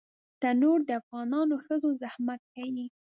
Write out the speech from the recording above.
تنور د افغانو ښځو زحمت ښيي